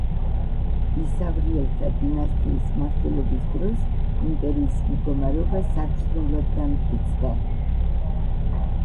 ისავრიელთა დინასტიის მმართველობის დროს იმპერიის მდგომარეობა საგრძნობლად განმტკიცდა.